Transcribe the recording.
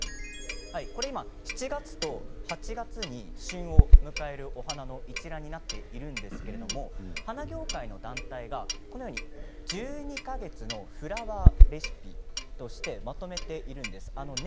今、７月と８月に旬を迎えるお花の一覧になっているんですけれども花業界の団体がこのように１２か月のフラワーレシピとしてまとめているんです。